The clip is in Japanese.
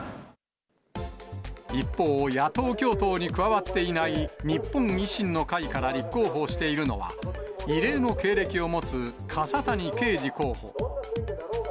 一方、野党共闘に加わっていない日本維新の会から立候補しているのは、異例の経歴を持つ笠谷圭司候補。